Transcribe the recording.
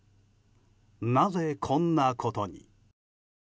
なぜ、こんなことに。